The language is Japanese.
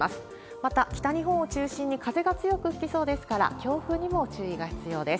また、北日本を中心に風が強く吹きそうですから、強風にも注意が必要です。